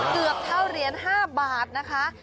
เกือบเท่าเหรียญ๕บาทนะคะ